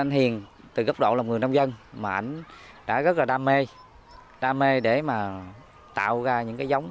anh hiền từ góc độ là người nông dân mà anh đã rất là đam mê đam mê để mà tạo ra những cái giống